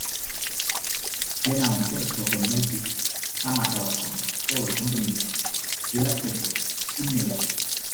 Plenamente los Open Notebooks están marcados como "Todo el contenido" y el acceso "Inmediato".